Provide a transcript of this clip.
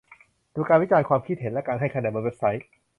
ดูการวิจารณ์ ความคิดเห็น และการให้คะแนนบนเว็บไซต์